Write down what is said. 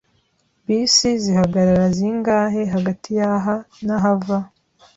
Bisi zihagarara zingahe hagati yaha nahava?